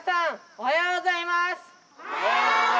おはようございます。